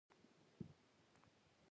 د عاشق سترګې د مینې رنګ لري